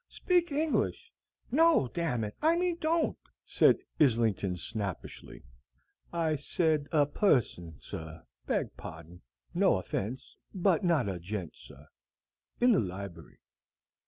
Speak English no, damn it, I mean don't," said Islington, snappishly. "I sed a person, sir. Beg pardon no offence but not a gent, sir. In the lib'ry."